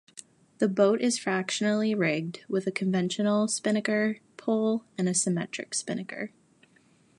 The boat is fractionally rigged, with a conventional spinnaker pole and symmetric spinnaker.